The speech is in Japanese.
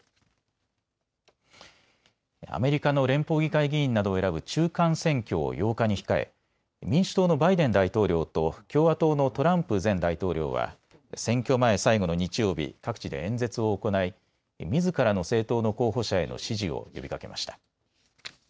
アメリカの連邦議会議員などを選ぶ中間選挙を８日に控え民主党のバイデン大統領と共和党のトランプ前大統領は選挙前最後の日曜日、各地で演説を行いみずからの政党の候補者への支持を呼びかけました。